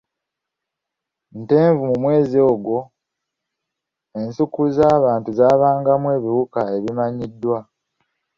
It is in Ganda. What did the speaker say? Ntenvu mu mwezi ogwo, ensuku z'abantu zaabangamu ebiwuka ebimanyiddwa .